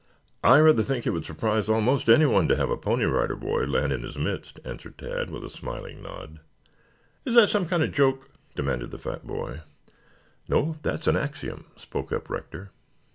"I rather think it would surprise almost anyone to have a Pony Rider Boy land in his midst," answered Tad with a smiling nod. "Is that some kind of joke?" demanded the fat boy. "No, that's an axiom," spoke up Rector.